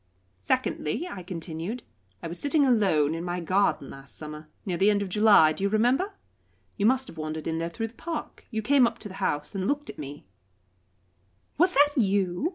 "Secondly," I continued, "I was sitting alone in my garden last summer near the end of July do you remember? You must have wandered in there through the park; you came up to the house and looked at me " "Was that you?"